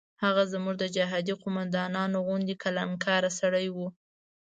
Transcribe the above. هغه زموږ د جهادي قوماندانانو غوندې کلانکاره سړی و.